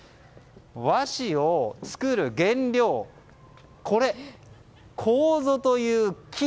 和紙を作る原料のこうぞという木。